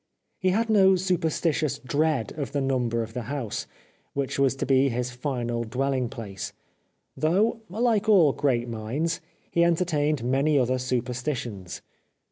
He had no superstitious dread of the number of the house, which was to be his final dwelling place, though, like all great minds, he enter tained many other superstitions.